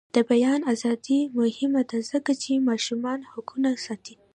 د بیان ازادي مهمه ده ځکه چې ماشومانو حقونه ساتي.